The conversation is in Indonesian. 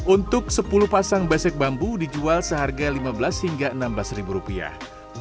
untuk sepuluh pasang besek bambu dijual seharga lima belas hingga enam belas ribu rupiah